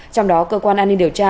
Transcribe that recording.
trong đó cơ quan an ninh điều tra